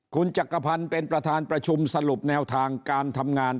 คุณจักรพันธ์เป็นประธานประชุมสรุปแนวทางการทำงาน